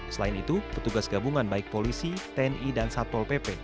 selain itu petugas gabungan baik polisi tni dan satpol pp